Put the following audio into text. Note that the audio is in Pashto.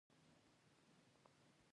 هماغه کار د بريا شمله تړلی شي.